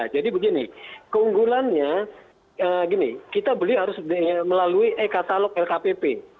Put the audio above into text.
jadi begini keunggulannya kita beli harus melalui e katalog lkpp